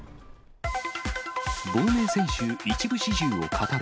亡命選手、一部始終を語る。